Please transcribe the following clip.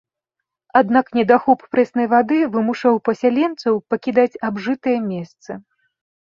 Аднак недахоп прэснай вады вымушаў пасяленцаў пакідаць абжытыя месцы.